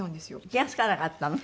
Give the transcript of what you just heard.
気が付かなかったの？